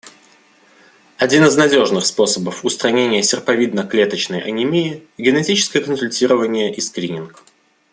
Один из надежных способов устранения серповидно-клеточной анемии — генетическое консультирование и скрининг.